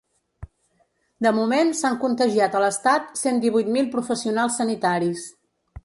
De moment s’han contagiat a l’estat cent divuit mil professionals sanitaris.